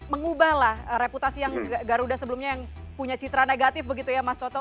mengubahlah reputasi yang garuda sebelumnya yang punya citra negatif begitu ya mas toto